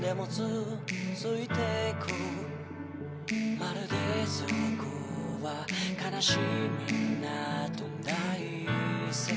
「まるでそこは悲しみなどない世界」